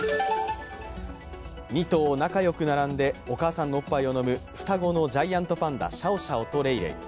２頭仲よく並んでお母さんのおっぱいを飲む双子のジャイアントパンダシャオシャオとレイレイ。